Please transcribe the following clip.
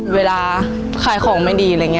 เวลาขายของไม่ดีอะไรอย่างนี้